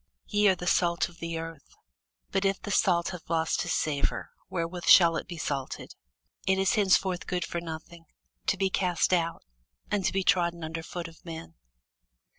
Ye are the salt of the earth: but if the salt have lost his savour, wherewith shall it be salted? it is thenceforth good for nothing, but to be cast out, and to be trodden under foot of men.